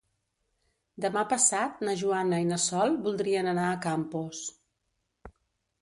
Demà passat na Joana i na Sol voldrien anar a Campos.